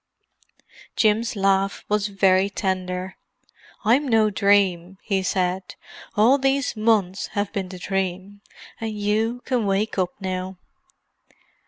Jim's laugh was very tender. "I'm no dream," he said. "All these months have been the dream—and you can wake up now."